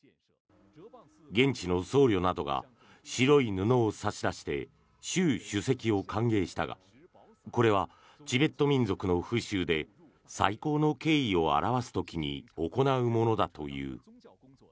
現地の僧侶などが白い布を差し出して習主席を歓迎したがこれはチベット民族の風習で最高の敬意を表す時に行うものだという。